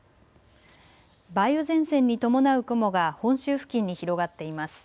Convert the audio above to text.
梅雨前線に伴う雲が本州付近に広がっています。